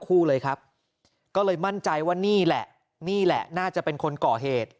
คู่เลยครับก็เลยมั่นใจว่านี่แหละนี่แหละน่าจะเป็นคนก่อเหตุ